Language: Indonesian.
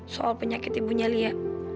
soal penyakit ibunya lia